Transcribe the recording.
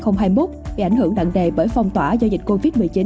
năm hai nghìn hai mươi một bị ảnh hưởng nặng nề bởi phong tỏa do dịch covid một mươi chín